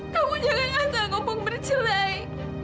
kamu jangan asal ngomong bercerai